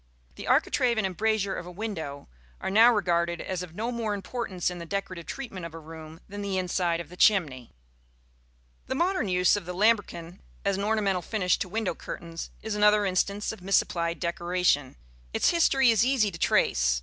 The architrave and embrasure of a window are now regarded as of no more importance in the decorative treatment of a room than the inside of the chimney. The modern use of the lambrequin as an ornamental finish to window curtains is another instance of misapplied decoration. Its history is easy to trace.